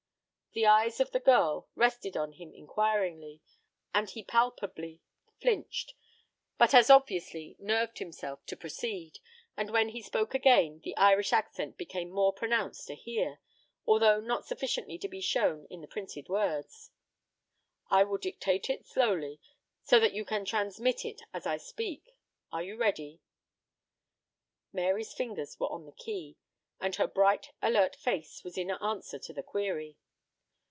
The eyes of the girl rested on him inquiringly, and he palpably flinched, but as obviously nerved himself to proceed, and when he spoke again the Irish accent became more pronounced to hear, although not sufficiently to be shown in the printed words: "I will dictate it slowly, so that you can transmit it as I speak. Are you ready?" Mary's fingers were on the key, and her bright, alert face was an answer to the query.